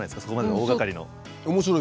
そこまでの大がかりの。